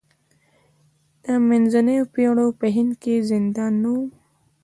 د منځنیو پېړیو په هند کې زندان نه و.